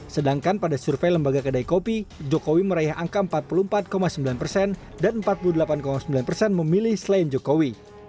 sedangkan pada survei lembaga kedai kopi jokowi meraih angka empat puluh empat sembilan persen dan empat puluh delapan sembilan persen memilih selain jokowi